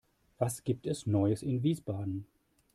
Was gibt es Neues in Wiesbaden?